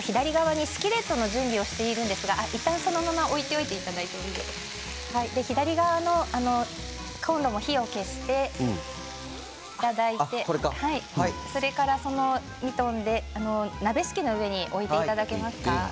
左側にスキレットの準備をしているんですがいったんそのまま置いておいてもいいんですが左側の今度火を消していただいてそのミトンで鍋敷きの上に置いていただけますか。